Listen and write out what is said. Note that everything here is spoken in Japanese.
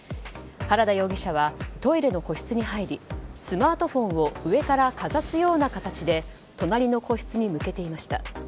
原田容疑者はトイレの個室に入りスマートフォンを上からかざすような形で隣の個室に向けていました。